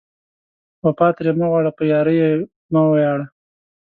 وفا ترې مه غواړه، په یارۍ یې مه ویاړه